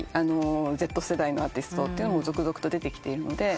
Ｚ世代のアーティストも続々と出てきているので。